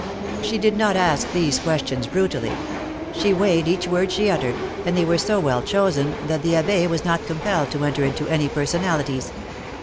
She did not ask these questions brutally ; she weighed each word she uttered, and they were so well chosen, that the Abbe was not com pelled to enter into any personalities.